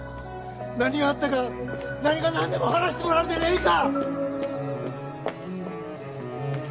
何があったか何が何でも話してもらうでねいいか！